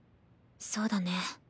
そうだね。